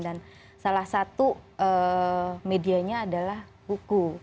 dan salah satu medianya adalah buku